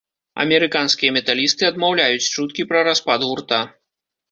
Амерыканскія металісты адмаўляюць чуткі пра распад гурта.